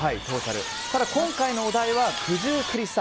今回のお題は九十九里産。